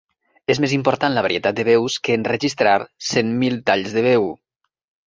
És més important la varietat de veus que enregistrar cent mil talls de veu.